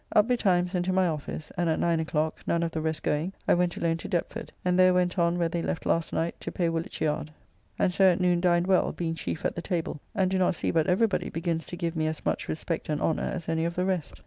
Up betimes and to my office, and at 9 o'clock, none of the rest going, I went alone to Deptford, and there went on where they left last night to pay Woolwich yard, and so at noon dined well, being chief at the table, and do not see but every body begins to give me as much respect and honour as any of the rest.